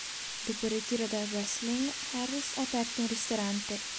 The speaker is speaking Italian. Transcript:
Dopo il ritiro dal wrestling, Harris ha aperto un ristorante.